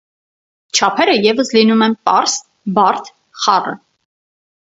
Չափերը ևս լինում են պարզ, բարդ, խառը։